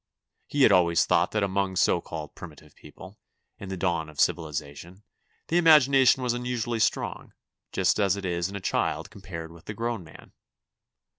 He had always thought that among so called primitive people, in the dawn of civilization, the imagination was unusually strong, just as it is in a child compared with the grown man.